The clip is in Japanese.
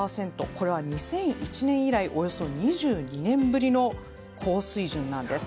これは２００１年以来およそ２２年ぶりの高水準なんです。